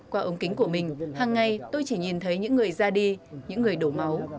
qua ống kính của mình hằng ngày tôi chỉ nhìn thấy những người ra đi những người đổ máu